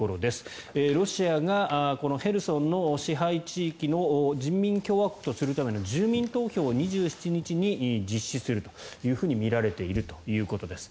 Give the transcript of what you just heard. ロシアがヘルソンの支配地域の人民共和国とするための住民投票を２７日に実施するとみられているということです。